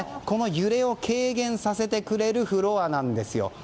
揺れを軽減させてくれるフロアなんですよ。